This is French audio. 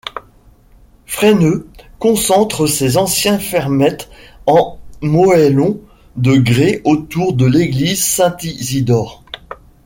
Freyneux concentre ses anciennes fermettes en moellons de grès autour de l'église Saint-Isidore.